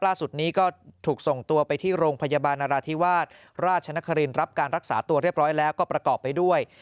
ล่าสุดนี้ก็ถูกส่งตัวไปที่โรงพยาบาลนราธิวาสราชนครินรับการรักษาตัวเรียบร้อยแล้วก็ประกอบไปด้วย